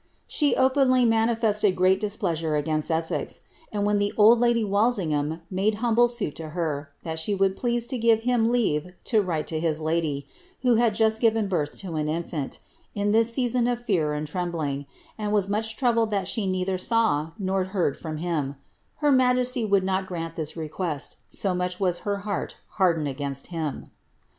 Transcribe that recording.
She openlv niani fisted great displeasure against Esses, and when the old tadv U'alt inj ham made humble suit to her, that she would please to give him leaTc to write to his lady, who had just given birth to an infant, in this season of fear and trembling, and was much Irotibled that she neither saw not heard from him ; her majesty would not grant this request, so much wm her heart hardened against him.'